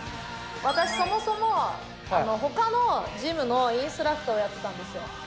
私そもそも、ほかのジムのインストラクターをやってたんですよ。